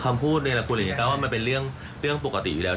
ความพูดในลักษณ์กูแบบนี้ก็ว่ามันเป็นเรื่องปกติอยู่แล้ว